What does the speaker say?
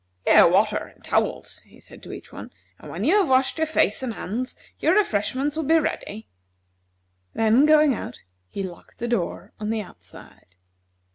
"Here are water and towels," he said to each one, "and when you have washed your face and hands, your refreshments will be ready." Then, going out, he locked the door on the outside.